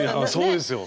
そうですよ。